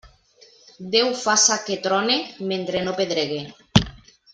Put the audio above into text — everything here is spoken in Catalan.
Déu faça que trone, mentre no pedregue.